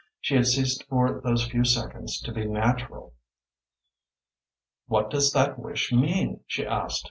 She had ceased for those few seconds to be natural. "What does that wish mean?" she asked.